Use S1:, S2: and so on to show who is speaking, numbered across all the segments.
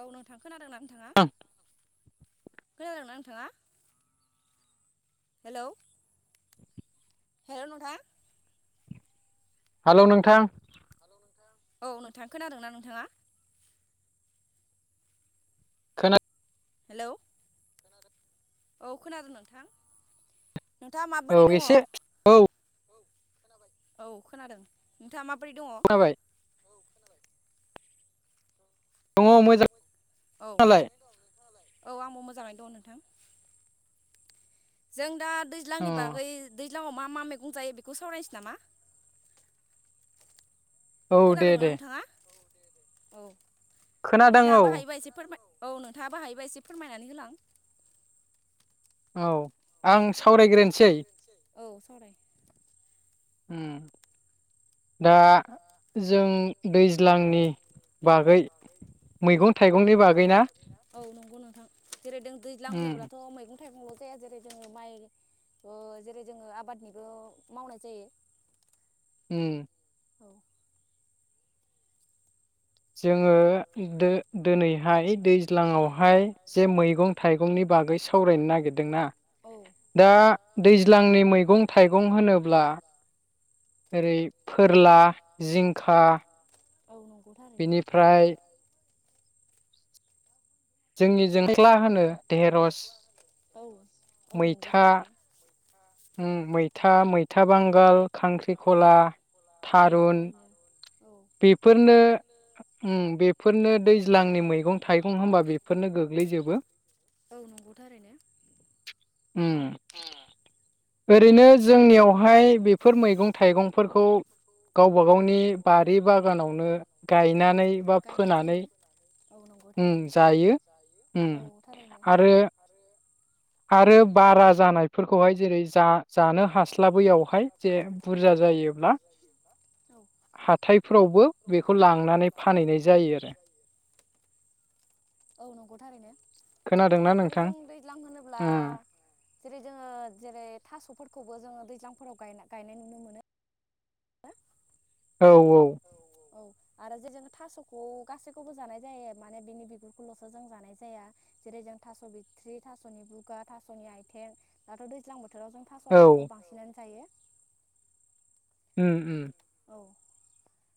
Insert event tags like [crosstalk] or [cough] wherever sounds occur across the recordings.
S1: औ नोंथां खोनादोंना नोंथाङा खोनादों ना नोंथाङा हेलौ हेलौ नोंथां
S2: हेलौ नोंथां
S1: औ नोंथां खोनादों ना नोंथाङा? हेलौ औ खोनादों नोंथां
S2: औ एसे औ
S1: खोनाबाय, औ खोनादों नोंथां माबोरै दङ औ औ आंबो मोजाङै दं नोंथां, जों दा दैज्लांनि बागै दै दैज्लांङाव मा मा मैगं जायो बेखौ सावरायनोसै नामा? खोनादोंना नोंथाङा? औ नोंथाङा बो हायोबा एसे फोरमाय? औ नोंथाङा हायोबा एसे फोरमायनानै होलां,
S2: औ आं सावरायग्रोसै
S1: औ सावराय
S2: उम दा जों दैज्लांनि बागै मैगं थाइगंनि बागै ना?
S1: जेरै जों दैज्लां होनोब्लाथ मैगं थाइगंल' जाया जेरै जोंङो माइ ओ जेरै जोंङो आबादनिबो मावनाय जायो।
S2: ओम जोंङो दो दोनैहाय, दैज्लांआव हाय जे मैगं थाइगंनि बागै सावरायनो नागिरदोंना दा दैज्लांनि मैगं थाइगं होनोब्ला ओरै फोरला, जिंखा, बेनिफ्राय जोंनि जोंख्ला होनो देरस
S1: औ नंगौ थारैनो
S2: ओं मैथा मै था बांगाल, खांख्रिखला, थारुन बेफोरनो उम बेफोरनो दैज्लांनि मैगं थाइगं होनबा बेफोरनो गोग्लैजोबो उम। ओरैनो जोंनियावहाय बेफोर मैगं थाइगंफोरखौ गावबा गावनि बारि बागानावनो गायनानै बा फोनानै
S1: औ नंगौ थारैनो औ थारैनो
S2: आरो बारा जानायफोरखौहाय जेरै जा जानो हास्लाबैयावहाय जे बुरजा जायोब्ला हाथायफोरावबो बेखौ लांनानै फानहैनाय जायो आरो। खोनादोंना नोंथां?
S1: होनोब्ला जेरै जोङो जेरै फोरफोरखौबो जोङो दैज्लांफोरावाय गायनाय गायनाय नुनो मोनो।
S2: औ औ।
S1: औ आरो जे जों थास'खौ गासैखौबो जानाय जायो माने बिनि बिगुरखौल'सो जों जानाय जाया जेरै जों थास' बिथ्रि, थास'नि बुगा, थास'नि आथें, दाथ' दैज्लां बोथोर बोथोराव जों थास' आथिंखौ बांसिनानो जायो।
S2: ओम ओम
S1: औ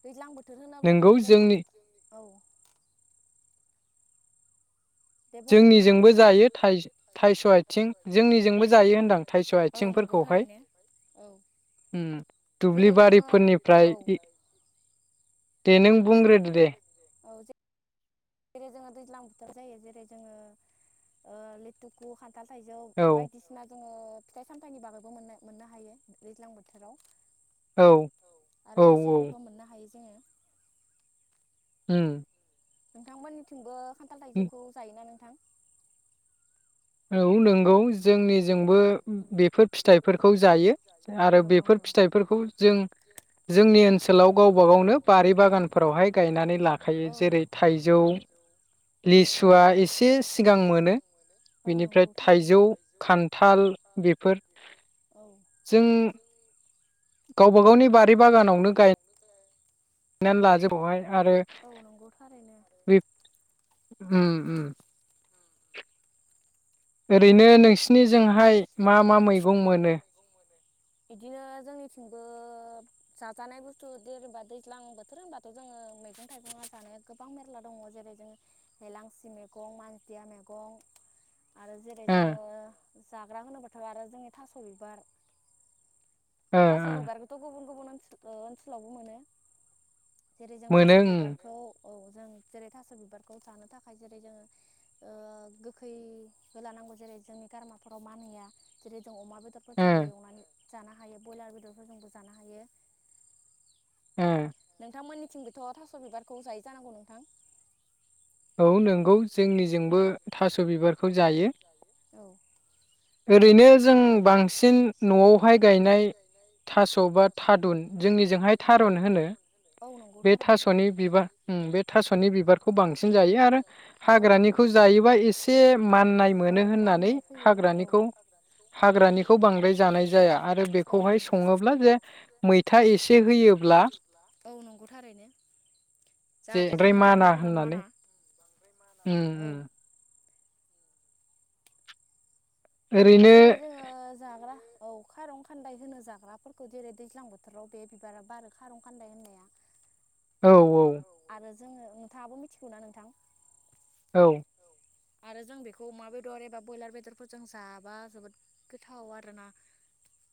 S1: दैज्लां बोथोर थोर होनाब्लाथ' जेरै औ
S2: जोंनिजोंबो जायो थाय-थायस' आथिं जोंनिजोंबो जायो होनदां थायस' आथिंफोरखौहाय ओं दुब्लिबारिफोरनिफ्राय दे नों बुंग्रोदो दे।
S1: जेरै जोङो दैज्लां बोथोर जायो जेरै जोङो ओ लेथुखु खान्थाल थाइजौ बायदिसिना ओ फिथाइ सामथाइनि बागैबो मोन मोननो हायो दैज्लां बोथोराव आरो लिसुफोरखौ मोननो हायो। [unintelligible]
S2: ओम
S1: नोंथांमोननिथिंबो खान्थाल थायजौखौ जायोना नों थां?
S2: औ नंगौ जोंनिजोंबो बेफोर फिथाइफोरखौ जायो आरो बेफोर फिथाइफोरखौ जों जोंनि ओनसोलाव गावबा गावनो बारि बागानफोरावहाय गायनानै लाखायो जेरै थाइजौ लिसुआ एसे सिगां मोनो बिनिफ्राय थाइजौ, खान्थाल जों गावबाागावनि बारि बागानावनो गाय नानै लाजोब बेवहाय आरो बेब उम उम ओरैनो नों नोंसिनिजोंहाय मा मा मैगं मोनो?
S1: बिदिनो जोंनिथिंबो जाजानाय बुस्थु जेनबा दैज्लां बोथोर होनबाथ' जोंङो मैगं थाइगङा जानाया गोबां मेरला दंङ। जेरै जोंङो हेलांसि मैगं मानदिया मैगं आरो जेरै जोंङो जाग्रा होनोब्लाथ' आरो जोंनि थास' बिबार थास' बिबारखौ गुबुन गुबुन ओ ओनसोलावबो मोनो। जेरै जों थास' बिबारखौ औ जों जेरै थास' बिबारखौ जानो थाखाय जेरै-जोंङो गोखै होलानांगौ जेरै जोंनि गारमाफोराव मान होया जेरै जों अमा बेदरफोर जोंबो एवनानै जाना हायो बयलार बेदरफोर जोंबो जानो हायो। नोंथांमोननि थिं बोथ' थास' बिबारखौ जायो जानांगौ नोंथां?
S2: औ नंगौ जोंनिजोंबो थास' बिबार खौ जायो।
S1: औ
S2: ओरैनो जों बांसिन न'आवहाय गायनाय थास' बा थादुन जोंनिजोंहाय थारुन होनो। बे थास'नि बिबार बे थास'नि बिबारखौ बांसिन जायो। आरो हाग्रानिखौ जायोबा एसे माननाय मोनो होननानै हाग्रानिखौ हाग्रानिखौ बांद्राय जानाय जाया। आरो बेखौहाय संङोब्ला जे मैथा एसे होयोब्ला
S1: औ नंगौ थारैनो
S2: जे ओमफ्राय माना होननानै उम
S1: जेरै जोंङो जाग्रा औ खारं खान्दाय होनो जाग्राफोरखौ जेरै दैज्लां बोथोराव बे बिबारा बारो खारं खान्दाय होननाया।
S2: औ औ
S1: जोंङो नोंथाङाबो मिथिगौ ना नोंथां?
S2: औ
S1: आरो जों बेखौ अमा बेदर एबा बयलार बेदरफोरजों जा माबा जोबोद गोथाव आरोना।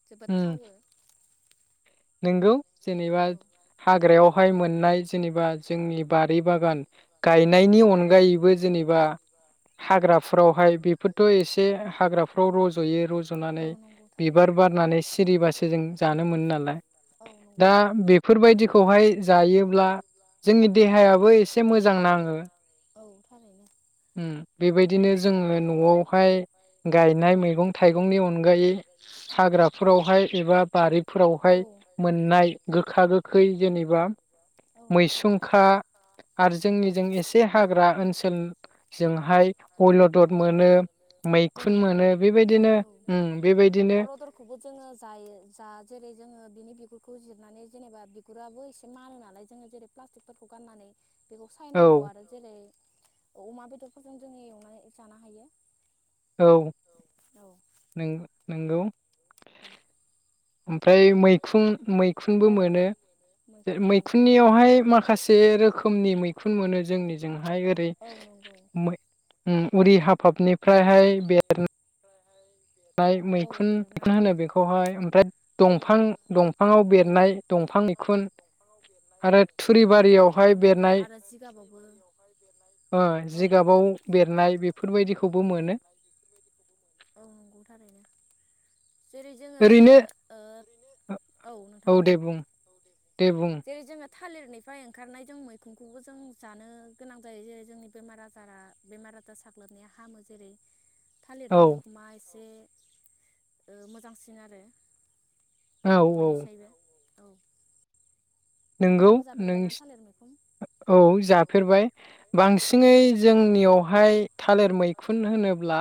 S1: जोबोद थावो।
S2: नोंगौ। जेनेबा हाग्रायावहाय मोननाय जेनेबा जोंनि बारि बागान गायनायनि अनगायैबो जेनेबा हाग्राफ्रावहाय बेफोरथ' एसे हाग्राफ्राव रज'यो रज'नानै बिबार बारनानै सिरिबासो जों जानो मोनो नालाय।
S1: औ नं
S2: दा बेफोरबायदिखौहाय जायोब्ला जोंनि देहायाबो एसे मोजां नाङो,
S1: थारैनो
S2: उम बेबायदिनो जोङो न'आवहाय गायनाय मैगं थाइगंनि अनगायै हाग्राफोरावहाय एबा बारिफोरावहाय मोन मोननाय गोखा गोखै जेनेबा मैसुंखा आरो जोंनिजों एसे हाग्रा ओनसोल, जोंहाय अयलदर मोनो मैखुन मोनो बेबायदिनो ओम बेबायदिनो,
S1: जोङो जायो जा जेरै जोङो बिनि बिगुर, गुजेबनानै जेनेबा बिगुराबो एसे मानो नालाय जोङो जेरै प्लास्टिकफोरखौ गाननानै, बेखौ सायनांगौ आरो जेरै, अमा बेदरफोरजों जोङो एवनानै जानो हायो।
S2: औ नों नंगौ ओमफ्राय मै, खुन मैखुनबो मोनो मैखुननियावहाय माखासे रोखोमनि मैखुन मोनो जोंनिजोंहाय ओरै मै उरिहाब, फाबनिफ्रायहाय बेरनो, लाय मैखुन अखा होनो बेखौहाय ओमफ्राय दंफां दंफाङाव बेरनाय दंफां मैखुन आरो थुरि बारियावहाय बेरनाय ओ जिगाबाव बेरनाय बेफोरबायदिखौ, खौबो मोनो।
S1: थारैनो जेरै जोङो ओ औ नोंथां बुं जेरै जोङो, थालिरनिफ्राय ओंखारनाय जों मैखुनखौबो जों जानो गोनां जायो जेरै जोंनि बेमार आजारा बेमार आजार साग्लोबनाया, हामो जेरै थालिरनि मैखुमा एस ए ओ मोजांसिन आरो बयनिसायबो। औ।
S2: नंगौ नोंसि औ जाफेरबाय बांसिनै जोंनियावहाय थालिर मैखुन होनोब्ला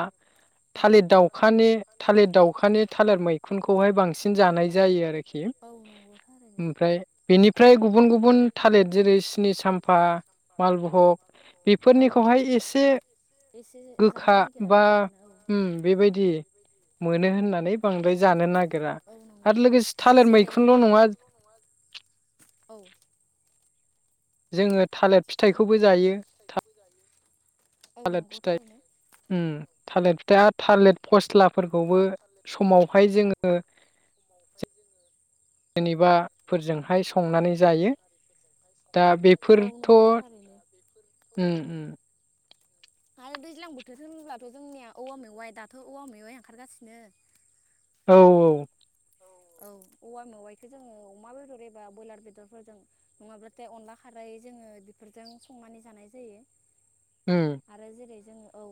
S2: थालिर दाउखानि थालिर दाउखानि थालिर मैखुनखौहाय बांसिन जानाय जायो आरोखि ओमफ्राय, बेनिफ्राय गुबुन गुबुन थालिर जेरै सिनि साम्फा मालबहग बेफोरनिखौहाय एसे गोखा बा उम बेबायदि मोनो होननानै बांद्राय जानो नागिरा आरो लोगोसे थालिर मैखुनल' नङा,
S1: औ
S2: जोङो थालिर फिथाइखौबो जायो। था थालिर फिथाइ उम थालिर फिथाइआ थालिर फस्लाब फोरखौबो समावहाय जोङो, जेनेबा फोरजोंहाय संनानै जायो दा बेफोरथ' उम उम
S1: आरो दैज्लां बोथोर होनब्लाथ' जोंनिया औवा मेवाय दाथ' औवा मेवाय ओंखारगासिनो।
S2: औ औ
S1: औ औवा मेवाइखौ जोङो अमा बेदर एबा ब्रयलार बेदरफोरजों नङाब्लाथाय अनला खारै जोङो बेफोरजों संनानै जानाय जायो। आरो जेरै जों औ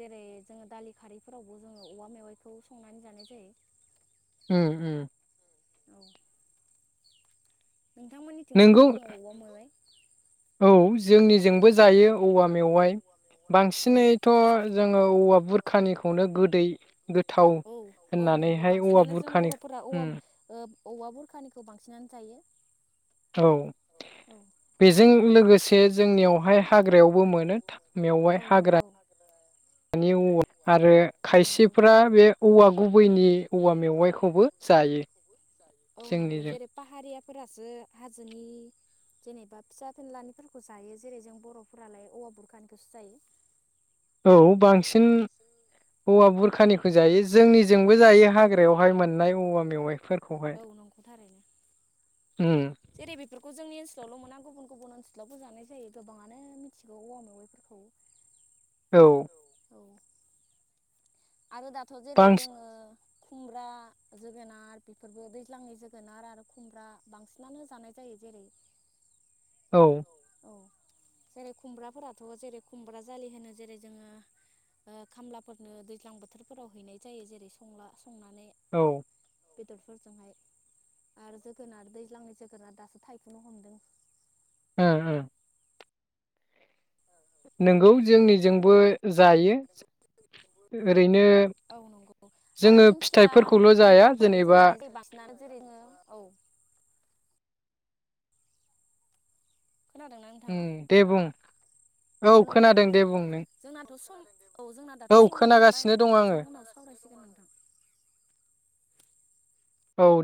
S1: जेरै जों दालि खारैफोरावबो जोङो औवा मेवाइखौ संनानै जानाय जायो
S2: उम उम
S1: औ नोंथांमोननिथिंबोथ' दङ औवा मेवाय?
S2: औ जोंनिजोंबो जायो औवा मेवाइ बांसिनैथ' जोङो औवा बुरखानिखौनो गोदै गोथाव होननानैहाय औवा बुरखानि
S1: औवा बुरखानिखौ बांसिनानो जायो।
S2: औ बेजों लोगोसे
S1: औ नंगौ औ नंगौ थारैनो औ नंगौ जेरै बाहा रियाफोरासो हाजोनि जेनेबा फिसा फेनलानि खौ जायो जेरै जों बर'फोरालाय औवा बुरखानिखौसो जायो।
S2: औ बांसिन औवा बुरखानिखौ जायो जोंनिजोंबो जायो हाग्रायावहाय मोननाय औवा मेवाइफोरखौहाय
S1: सल'मोना गुबुन गुब ओन सोलावबो जानाय जायो गोबाङानो मिथिगौ औवा मेवाइफोरखौ
S2: औ
S1: औ आरो दाथ' जेरै जोङो खुमब्रा' जोगोनार बेफोरबो दैज्लांनि जोगोनार आरो खुमब्रा बांसिनानो जानाय जायो जेरै
S2: औ
S1: औ जेरै खुमब्राफोराथ' जेरै खुमब्रा जालि होनो जेरै जोङो ओ खामलाफोरनो दैज्लां बोथोरफोराव हैनाय जायो जेरै संला संनानै
S2: औ
S1: बेदरफोरजोंहाय आरो जोगोनार दैज्लांनि जोगोनार दासो थायफुनो हमदों।
S2: ओ नोंगौ जोंनि जों बो जायो
S1: औ नंगौ आरो दिंखिया दिंखियाफोरखौ जों जानायजायो बांसिनानो जेरैनो औ खोनादों
S2: उम दे बुं औ खोनादों दे बुं नों
S1: औ जोंना दाथ' समा जाथबाय नोंथां जों उनाव सावरायसिगोन नोंथां
S2: औ